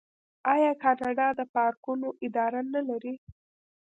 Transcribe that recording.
آیا کاناډا د پارکونو اداره نلري؟